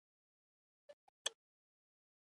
کېله د کچالو سره ګډ خوړل خاص خوند لري.